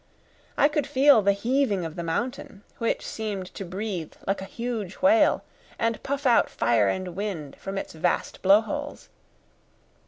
I could feel the heaving of the mountain, which seemed to breathe like a huge whale, and puff out fire and wind from its vast blowholes.